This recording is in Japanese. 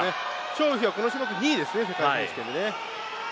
張雨霏はこの種目２位ですね世界選手権でね。